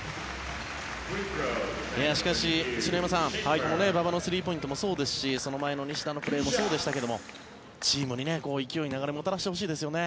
しかし、篠山さんこの馬場のスリーポイントもそうですしその前の西田のプレーもそうでしたけどチームに勢い、流れをもたらしてほしいですね。